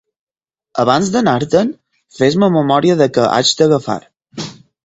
Abans d'anar-te'n, fes-me memòria de què haig d'agafar.